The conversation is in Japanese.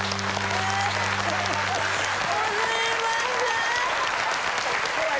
もうすいません！